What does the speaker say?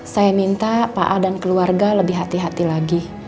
saya minta pak a dan keluarga lebih hati hati lagi